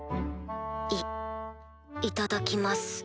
いいただきます。